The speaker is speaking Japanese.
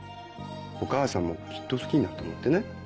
お母さんもきっと好きになると思ってね。